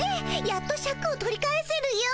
やっとシャクを取り返せるよ。